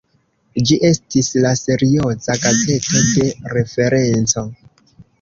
Ĝi estis la serioza "gazeto de referenco".